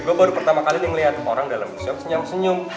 gue baru pertama kali liat orang dalam show senyum senyum